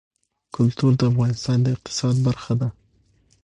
کلتور د افغانستان د اقتصاد برخه ده.